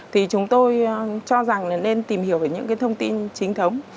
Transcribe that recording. thì chúng tôi cho rằng là nên tìm hiểu những thông tin chính thống